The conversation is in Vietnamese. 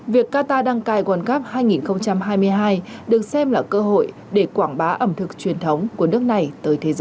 việc qatar đăng cai world cup hai nghìn hai mươi hai được xem là cơ hội để quảng bá ẩm thực truyền thống của nước này tới thế giới